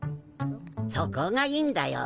そこがいいんだよ。